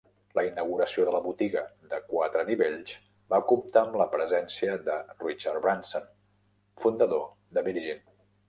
La inauguració de la botiga de quatre nivells va comptar amb la presència de Richard Branson, fundador de Virgin.